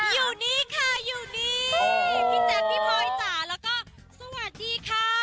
อยู่นี่ค่ะอยู่นี่พี่แจ๊คพี่พลอยจ๋าแล้วก็สวัสดีค่ะ